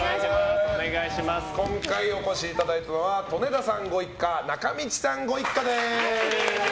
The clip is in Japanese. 今回お越しいただいたのは利根田さんご一家中道さんご一家です。